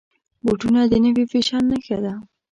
بوټونه د نوي فیشن نښه ده.